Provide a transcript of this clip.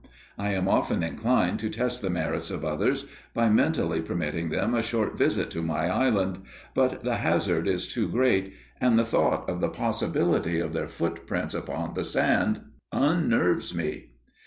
I am often inclined to test the merits of others by mentally permitting them a short visit to my island, but the hazard is too great, and the thought of the possibility of their footprints upon the sand unnerves me.